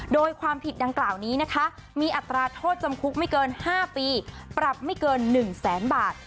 โดยความผิดดังกล่าวนี้นะคะมีอัตราโทษจำคุกไม่เกิน๕ปีปรับไม่เกิน๑แสนบาท